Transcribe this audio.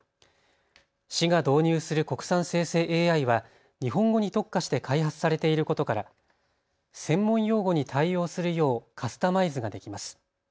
市が導入する国産生成ＡＩは日本語に特化して開発されていることから専門用語に対応するようカスタマイズができます。